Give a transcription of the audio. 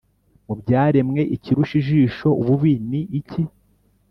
Mu byaremwe, ikirusha ijisho ububi ni iki?